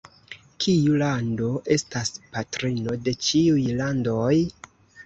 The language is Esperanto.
Kiu lando estas patrino de ĉiuj landoj?